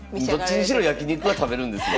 どっちにしろ焼き肉は食べるんですね？